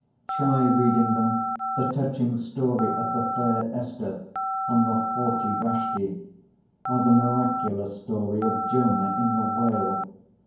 Try reading them the touching story of the fair Esther and the haughty Vashti; or the miraculous story of Jonah in the whale.